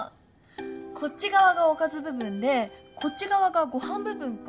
こっちがわが「おかずぶ分」でこっちがわが「ごはんぶ分」か。